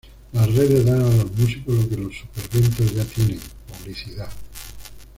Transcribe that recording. las redes dan a los músicos lo que los superventas ya tienen: publicidad.